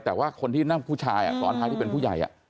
แต่ว่าคนที่นั่งผู้ชายซ้อนท้ายที่เป็นผู้ใหญ่